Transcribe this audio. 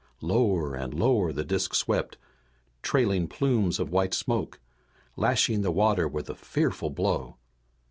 Lower and lower the disk swept, trailing plumes of white smoke, lashing the water with a fearful blow.